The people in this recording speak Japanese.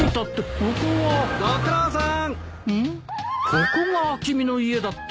ここが君の家だって？